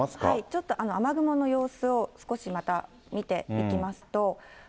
ちょっと雨雲の様子を、少しまた見ていきますと。